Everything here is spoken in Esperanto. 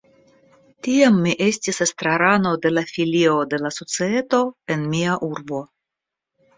Tiam mi estis estrarano de la filio de la societo en mia urbo.